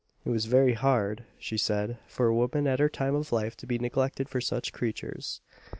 It was very hard, she said, for a woman at her time of life to be neglected for such creatures.